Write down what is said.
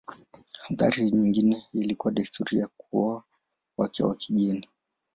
Athari nyingine ilikuwa desturi ya kuoa wake wa kigeni.